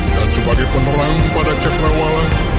dan sebagai penerang pada cakrawala